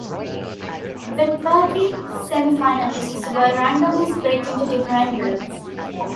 The thirty semifinalists were randomly split into different groups.